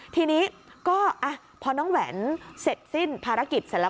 ทีนี้ก็พอน้องแหวนเสร็จสิ้นภารกิจเสร็จแล้ว